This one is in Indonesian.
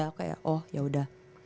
aku kayak oh yaudah